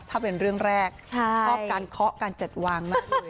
ถ้าเป็นเรื่องแรกชอบการเคาะกานเจ็ดวาง